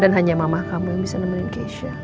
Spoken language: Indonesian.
dan hanya mama kamu yang bisa nemenin keisha